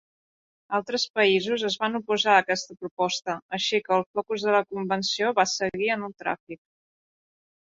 Altres països es van oposar a aquesta proposta, així que el focus de la convenció va seguir en el tràfic.